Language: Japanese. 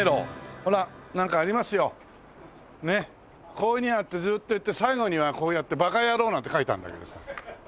こういうふうにやってずーっと行って最後にはこうやって「バカ野郎」なんて書いてあるんだけどさ。